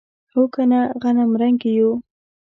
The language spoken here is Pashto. هو کنه غنمرنګي یو.